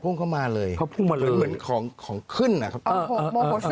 พุ่งเข้ามาเลยเหมือนของขึ้นอ่ะครับ